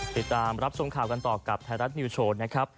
ติดตามรับชมข่าวกันต่อกับไทยรัฐนิวโชว์นะครับ